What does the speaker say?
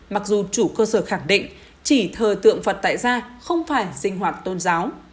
mặc dù chủ cơ sở khẳng định chỉ thờ tượng phật tại ra không phải sinh hoạt tôn giáo